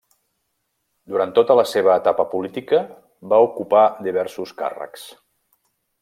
Durant tota la seva etapa política va ocupar diversos càrrecs.